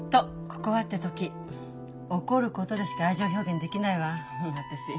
「ここは」って時怒ることでしか愛情表現できないわ私。